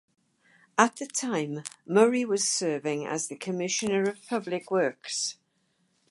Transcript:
At the time Murray was serving as the Commissioner of Public Works.